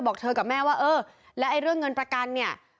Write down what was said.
บอกเธอกับแม่ว่าเออแล้วไอ้เรื่องเงินประกันเนี่ย